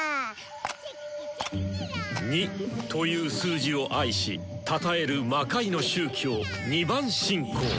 「２」という数字を愛したたえる魔界の宗教２番信仰。